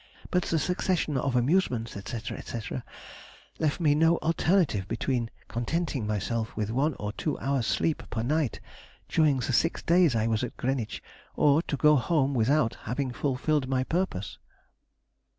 But the succession of amusements, &c., &c., left me no alternative between contenting myself with one or two hours' sleep per night during the six days I was at Greenwich, or to go home without having fulfilled my purpose."